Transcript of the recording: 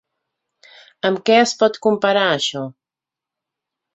Amb què es pot comparar això?